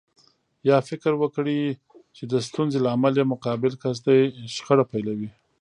يا فکر وکړي چې د ستونزې لامل يې مقابل کس دی شخړه پيلوي.